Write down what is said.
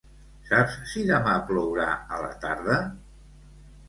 Saps si demà plourà a la tarda?